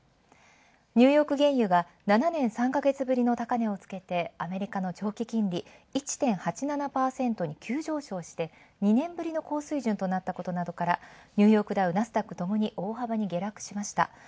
ニューヨーク原油が７年３ヶ月ぶりの高値をつけてアメリカの長期金利、１．８７％に急上昇して２年ぶりの高水準となったことからＮＹダウ、ナスダックともに大幅に下落しました。